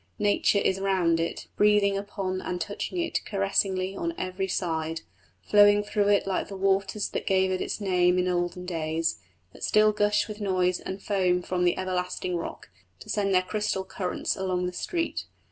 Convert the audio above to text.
Nature is round it, breathing upon and touching it caressingly on every side; flowing through it like the waters that gave it its name in olden days, that still gush with noise and foam from the everlasting rock, to send their crystal currents along the streets.